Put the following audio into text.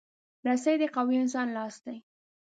رسۍ د قوي انسان لاس دی.